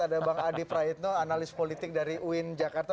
ada bang adi prayitno analis politik dari uin jakarta